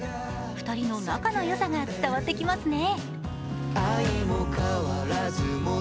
２人の仲の良さが伝わってきますね